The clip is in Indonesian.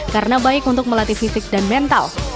karena baik untuk melatih fisik dan mental